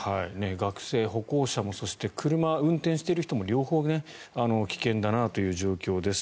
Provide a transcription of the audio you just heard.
学生、歩行者もそして、車を運転している人も両方危険だという状況です。